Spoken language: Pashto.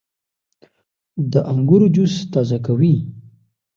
• د انګورو جوس تازه کوي.